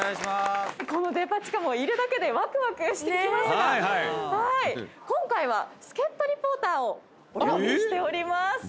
このデパ地下もいるだけでワクワクしてきますが今回は助っ人リポーターをお呼びしております。